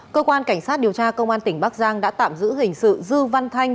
cơ quan cảnh sát điều tra công an tỉnh bắc giang đã tạm giữ hình sự dư văn thanh